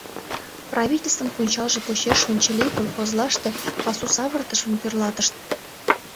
Правительствын пунчалже почеш ончылий колхозлаште пасусавыртышым тӧрлатышт.